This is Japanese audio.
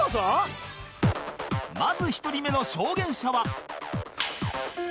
まず１人目の証言者は